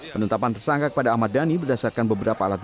penentapan tersangka kepada ahmad dhani berdasarkan beberapa alat alatnya